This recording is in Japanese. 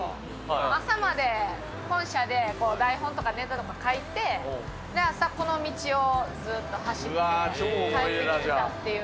朝まで本社で台本とかネタとか書いて、朝、この道をずっと走って帰ってきたっていう。